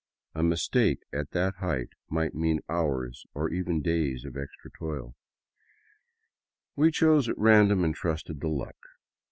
A mistake at that height might mean hours or even days of extra toiL We chose at random and trusted to luck.